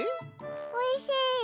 おいしい。